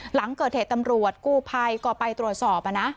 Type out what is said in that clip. หลังเกิดเหตุตำรวจกู้ภัยก็ไปตรวจสอบ